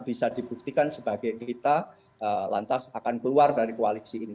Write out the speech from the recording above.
bisa dibuktikan sebagai kita lantas akan keluar dari koalisi ini